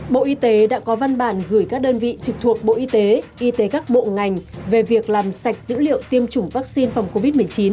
bộ y tế đã có văn bản gửi các đơn vị trực thuộc bộ y tế y tế các bộ ngành về việc làm sạch dữ liệu tiêm chủng vaccine phòng covid một mươi chín